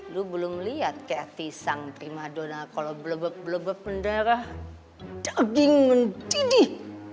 lu belum liat kayak tisang prima donna kalo belebep belebep mendara daging mendidih